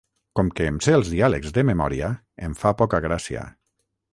Com que em sé els diàlegs de memòria, em fa poca gràcia.